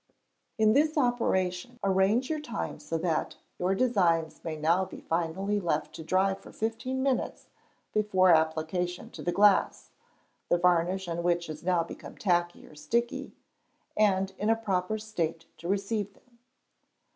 In ths operation arrange your time so that your designs may now be finally left to dry for fifteen minutes before application to the glass, the varnish on which has now become tacky or sticky, and in a proper state to receive them.